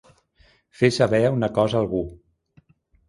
Fer saber una cosa a algú.